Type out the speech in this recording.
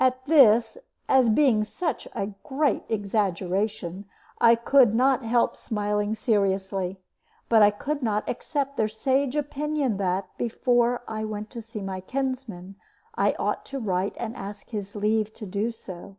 At this, as being such a great exaggeration, I could not help smiling seriously; but I could not accept their sage opinion that, before I went to see my kinsman, I ought to write and ask his leave to do so.